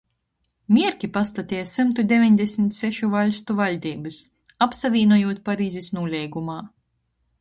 Mierki pastateja symtu deveņdesmit sešu vaļstu vaļdeibys, apsavīnojūt Parizis nūleigumā.